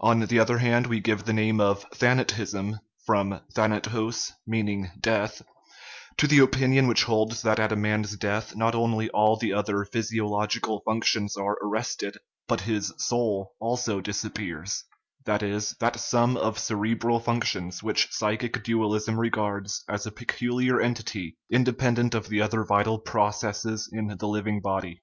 On the other hand, we give the name of "thanatism" (from thanatos = death) to the opinion which holds that at a man's death not only all the other physiologi cal functions are arrested, but his " soul " also disap pears that is, that sum of cerebral functions which psychic dualism regards as a peculiar entity, inde pendent of the other vital processes in the living body.